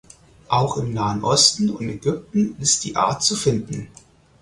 Auch im Nahen Osten und Ägypten ist die Art zu finden.